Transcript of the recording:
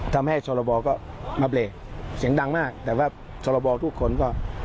ทำให้ชรบก็มาเบรกเสียงดังมากแต่ว่าชรบทุกคนก็